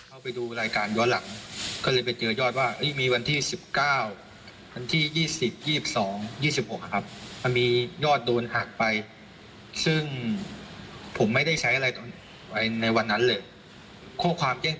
แล้วก็เขาแจ้งว่าเดี๋ยวเขาจะออกบัตรใหม่ให้แล้วก็สกไป